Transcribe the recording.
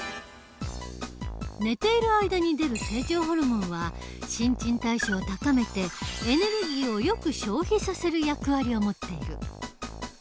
寝ている間に出る成長ホルモンは新陳代謝を高めてエネルギーをよく消費させる役割を持っている。